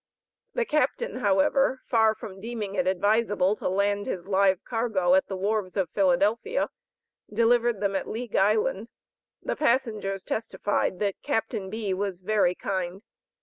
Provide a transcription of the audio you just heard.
The Captain, however, far from deeming it advisable to land his live cargo at the wharves of Philadelphia, delivered them at League Island. The passengers testified that Captain B. was very kind.